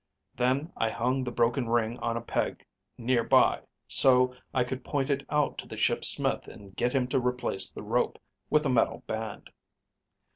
Then I hung the broken ring on a peg near by so I could point it out to the ship's smith and get him to replace the rope with a metal band.